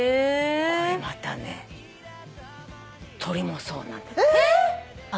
これまたね鳥もそうなの。えっ！？